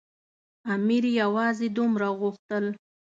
امیر یوازې دومره غوښتل.